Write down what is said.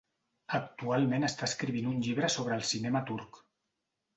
Actualment està escrivint un llibre sobre el cinema turc.